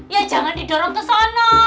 ya jangan didorong kesana